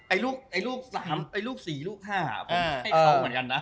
ไอลูกไอลูกสามไอลูกสี่ลูกห้าผมให้เขาเหมือนกันนะ